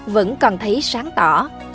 vẫn còn thấy sáng tỏ